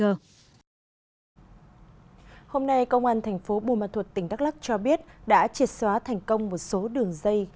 hôm nay công an thành phố buôn ma thuật tỉnh đắk lắc cho biết đã triệt xóa thành công một số đường dây